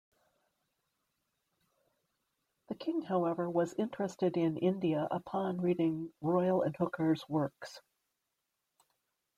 King however was interested in India upon reading Royle and Hooker's works.